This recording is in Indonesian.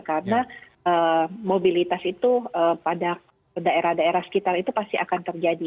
karena mobilitas itu pada daerah daerah sekitar itu pasti akan terjadi